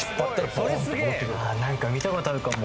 何か見たことあるかも。